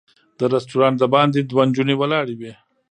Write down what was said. د رسټورانټ د باندې دوه نجونې ولاړې وې.